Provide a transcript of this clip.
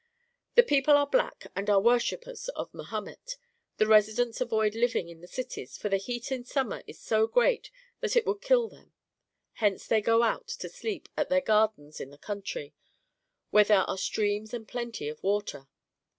^ The people are black, and are worshippers of Mahommet. The residents avoid living in the cities, for the heat in summer is so great that it would kill them. Hence they go out (to sleep) at their gardens in the country, where there are streams and plenty of water.